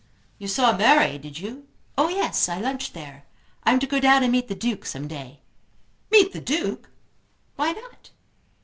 "You saw Mary, did you?" "Oh yes; I lunched there. I'm to go down and meet the Duke some day." "Meet the Duke!" "Why not?"